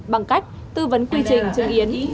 bằng cách tư vấn quy trình chứng yến